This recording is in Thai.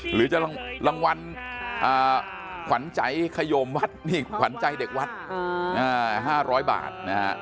หรือจะรางวัลขวัญใจขยมวัดนี่ขวัญใจเด็กวัด๕๐๐บาทนะฮะ